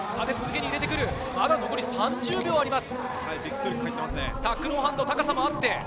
まだ残り３０秒あります。